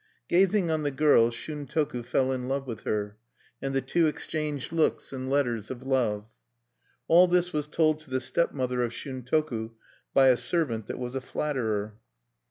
Gazing on the girl, Shuntoku fell in love with her. And the two exchanged looks and letters of love. All this was told to the stepmother of Shuntoku by a servant that was a flatterer.